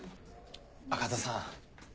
赤座さん。